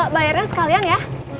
bayarnya sekalian ya